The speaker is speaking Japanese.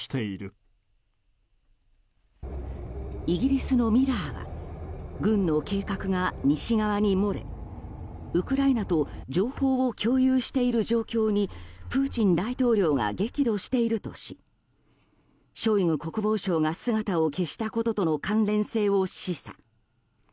イギリスのミラーは軍の計画が西側に漏れウクライナと情報を共有している状況にプーチン大統領が激怒しているとしショイグ国防相が姿を消したこととの関連性を示唆。